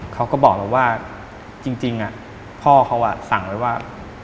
เขาก็บอกเราว่าจริงพ่อเขาสั่งไว้ว่า